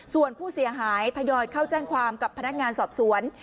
ส่วนผู้เสียหายทยอยเข้าแจ้งความกับพนักงานสอบสวน